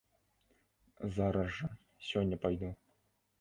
Зараз жа, сёння пайду.